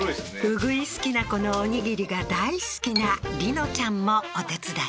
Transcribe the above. うぐいすきな粉のおにぎりが大好きな梨乃ちゃんもお手伝い